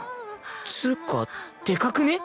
つうかでかくね？